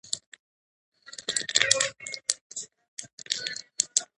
سیاسي مشرتابه باید روڼ فکر ولري